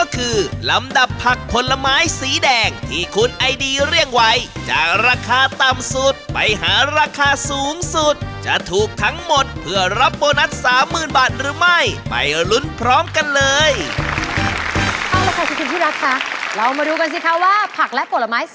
คุณจะเปลี่ยนจุดหรือเปล่า